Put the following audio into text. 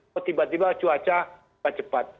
ketiba tiba cuaca cepat